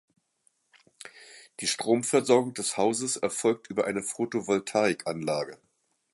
Die Stromversorgung des Hauses erfolgt über eine Photovoltaikanlage.